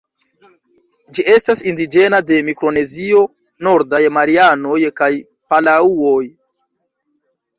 Ĝi estas indiĝena de Mikronezio, Nordaj Marianoj kaj Palaŭo.